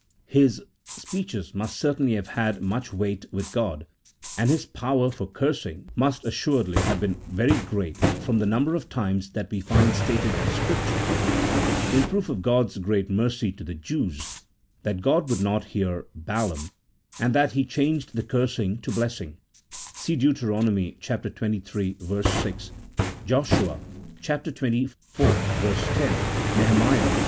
His speeches must certainly have had much weight with God, and His power for cursing must assuredly have been very great from the number of times that we find stated in Scripture, in proof of God's great mercy to the Jews, that God would not hear Balaam, and that He changed the cursing to blessing (see Deut. xxiii. 6, Josh. xxiv. 10, Neh. xiii.